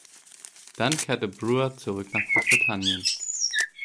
Dann kehrte Brewer zurück nach Großbritannien.